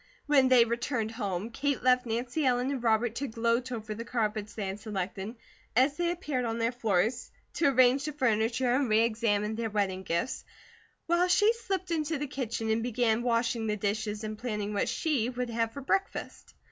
When they returned home, Kate left Nancy Ellen and Robert to gloat over the carpets they had selected, as they appeared on their floors, to arrange the furniture and re examine their wedding gifts; while she slipped into the kitchen and began washing the dishes and planning what she would have for breakfast.